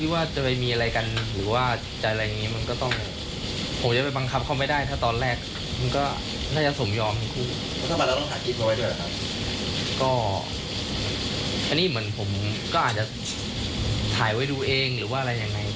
แบบอันนี้เป็นผมคออาจจะถ่ายไว้ดูเองหรือว่าอะไรยังงี้